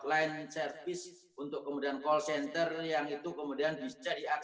tolong tercesso beli kemudian ini promosi apa yang kita komplisikan undang undang kamek